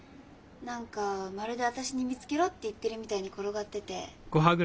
何かまるで私に見つけろって言ってるみたいに転がってて。